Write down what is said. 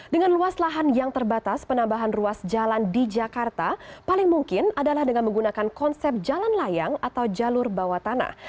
dengan luas lahan yang terbatas penambahan ruas jalan di jakarta paling mungkin adalah dengan menggunakan konsep jalan layang atau jalur bawah tanah